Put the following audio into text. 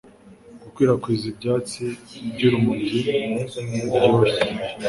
gukwirakwiza ibyatsi byu urumogi ruryoshye